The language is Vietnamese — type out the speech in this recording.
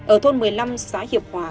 ở thôn một mươi năm xã hiệp hòa